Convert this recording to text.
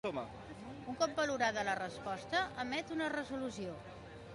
Un cop valorada la resposta, emet una resolució.